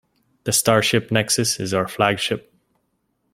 The starship nexus is our flagship.